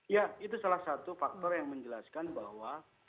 ya itu salah satu faktor yang menjelaskan bahwa